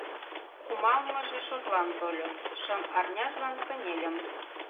Кумалмыже шотлан тольо: шым арняжлан кынельым...